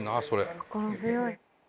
心強い。